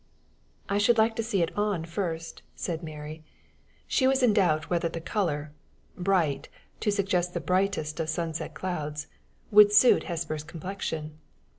"I should like to see it on first," said Mary: she was in doubt whether the color bright, to suggest the brightest of sunset clouds would suit Hesper's complexion.